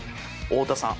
太田さん。